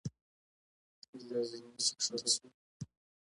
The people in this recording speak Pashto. له زینې چې ښکته شوم.